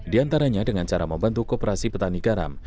di antaranya dengan cara membantu kooperasi petani garam